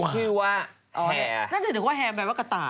นั่นถือว่าแฮร์แบล็กว่ากระต่าย